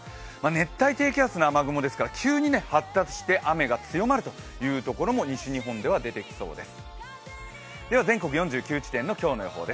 熱帯低気圧の雨雲ですから、急に発達して雨が強まるというところも西日本では出てきそうです。